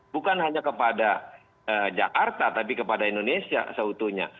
bukan hanya kepada jakarta tapi kepada indonesia seutuhnya